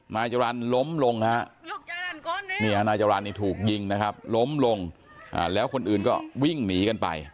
นายจรรย์ล้มลงฮะนายจรรย์นี่ถูกยิงนะครับล้มลงแล้วคนอื่นก็วิ่งหนีกันไป